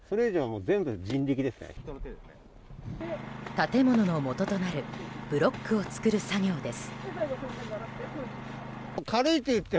建物のもととなるブロックを作る作業です。